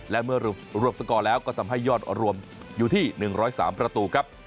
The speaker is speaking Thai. และเมื่อรวมสกอร์แล้วก็ทำให้ยอดรวมอยู่ที่๑๐๓ประตูครับ